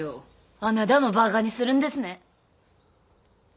あなだもバカにするんですね。